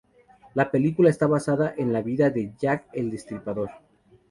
La película está basada en la vida de Jack el destripador.